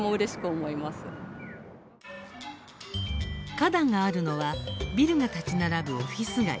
花壇があるのはビルが建ち並ぶオフィス街。